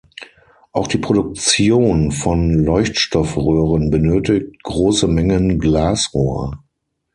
Auch die Produktion von Leuchtstoffröhren benötigt große Mengen Glasrohr.